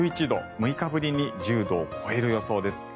６日ぶりに１０度を超える予想です。